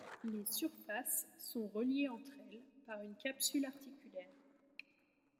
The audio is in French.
Les surfaces sont reliées entre elles par une capsule articulaire.